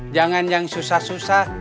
jangan yang susah susah